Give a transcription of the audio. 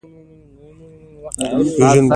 بیژن په خپله سزا رسیږي.